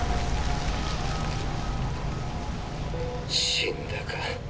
死んだか。